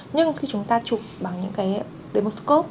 nhưng khi chúng ta chụp bằng những cái demoscope